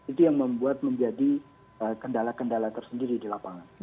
itu yang membuat menjadi kendala kendala tersendiri di lapangan